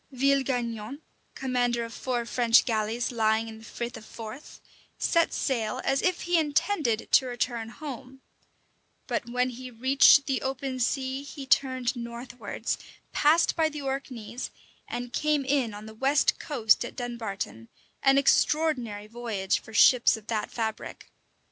Villegaignon, commander of four French galleys lying in the Frith of Forth, set sail as if he intended to return home; but when he reached the open sea he turned northwards, passed by the Orkneys, and came in on the west coast at Dunbarton; an extraordinary voyage for ships of that fabric.